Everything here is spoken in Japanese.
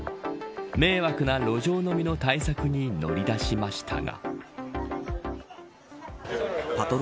迷惑な路上飲みの対策に乗り出しましたが。